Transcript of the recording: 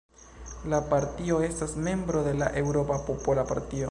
La partio estas membro de la Eŭropa Popola Partio.